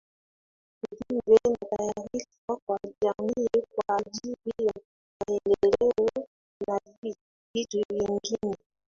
ujumbe na taarifa kwa jamii kwa ajili ya maendeleo na vitu vingine